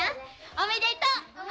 おめでとう！